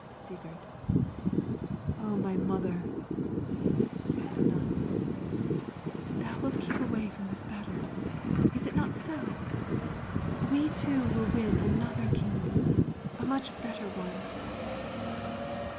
Sigurd O my mother! The Nun Thou wilt keep away from this battle, is it not so? We two will win another kingdom, a much better one.